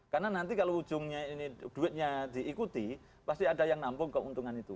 karena nanti kalau ujungnya ini duitnya diikuti pasti ada yang nampung keuntungan itu